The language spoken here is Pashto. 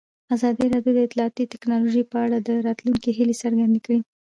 ازادي راډیو د اطلاعاتی تکنالوژي په اړه د راتلونکي هیلې څرګندې کړې.